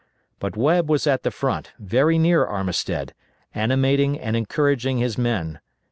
But Webb was at the front, very near Armistead, animating and encouraging his men.